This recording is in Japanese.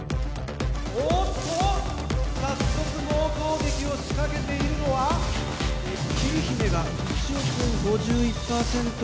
おっと早速猛攻撃を仕掛けているのは桐姫が１億円５１％